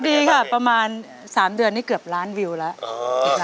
ดีค่ะประมาณ๓เดือนนี่เกือบล้านวิวแล้ว